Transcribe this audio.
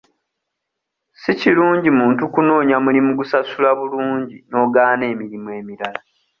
Si kirungi muntu kunoonya mulimu gusasula bulungi n'ogaana emirimu emirala.